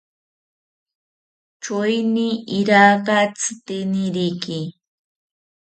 Choeni iraka tziteniriki